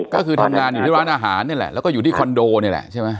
ก็คือทำงานอยู่ที่ร้านอาหารนี่แหละแล้วก็อยู่ที่คอนโดนี่แหละใช่ไหม